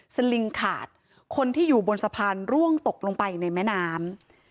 สลิงขาดคนที่อยู่บนสะพานร่วงตกลงไปในแม่น้ำ